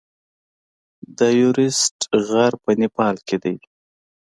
د ایورسټ غر په نیپال کې دی.